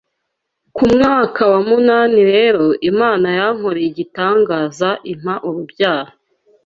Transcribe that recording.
ku mwaka wa munani rero Imana yankoreye igitangaza impa urubyaro